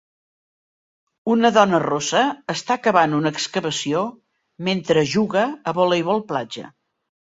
Una dona rossa està acabant una excavació mentre juga a voleibol platja.